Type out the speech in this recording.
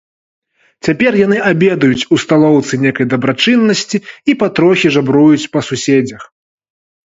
Цяпер яны абедаюць у сталоўцы нейкай дабрачыннасці і патрохі жабруюць па суседзях.